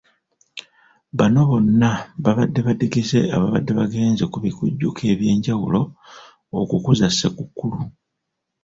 Bano bonna babadde badigize ababadde bagenze ku bikujjuko eby'enjawulo okukuza ssekukkulu.